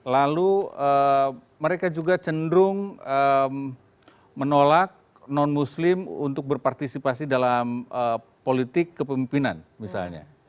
lalu mereka juga cenderung menolak non muslim untuk berpartisipasi dalam politik kepemimpinan misalnya